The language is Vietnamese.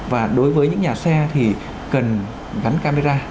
và đối với những nhà xe thì cần gắn camera